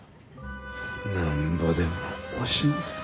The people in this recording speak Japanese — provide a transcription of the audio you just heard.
なんぼでも押しまっせ。